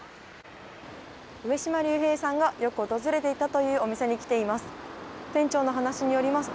上島竜兵さんがよく訪れていたというお店に来ています。